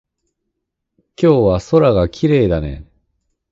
今日は空がきれいだね。